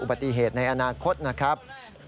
อุบัติเหตุในอนาคตนะครับ